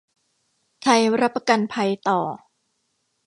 ไทยรับประกันภัยต่อ